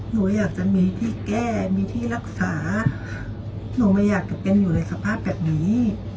หนูอยากจะมีที่แก้มีที่รักษาหนูไม่อยากจะเป็นอยู่ในสภาพแบบนี้